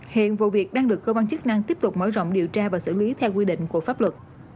hiện vụ việc đang được cơ quan chức năng tiếp tục mở rộng điều tra và xử lý theo quy định của pháp luật